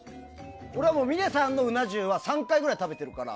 俺は峰さんのうな重は３回ぐらい食べてるから。